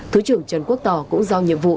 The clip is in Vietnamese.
thứ trưởng trần quốc tò cũng giao nhiệm vụ